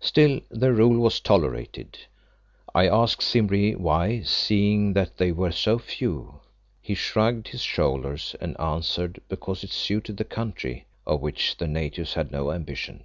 Still their rule was tolerated. I asked Simbri why, seeing that they were so few. He shrugged his shoulders and answered, because it suited the country of which the natives had no ambition.